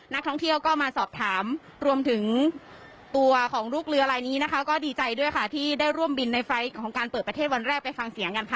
นักท่องเที่ยวก็มาสอบถามรวมถึงตัวของลูกเรือลายนี้นะคะก็ดีใจด้วยค่ะที่ได้ร่วมบินในไฟล์ของการเปิดประเทศวันแรกไปฟังเสียงกันค่ะ